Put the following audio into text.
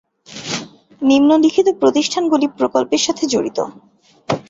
নিম্নলিখিত প্রতিষ্ঠানগুলি প্রকল্পের সাথে জড়িত